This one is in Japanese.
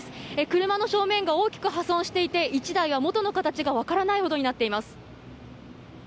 車の正面が大きく破損していて１台は元の形が分からないほどになっています。